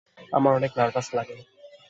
আমার অনেক নার্ভাস লাগে।